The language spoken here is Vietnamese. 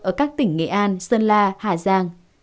ở các tỉnh nghệ an sơn la hà giang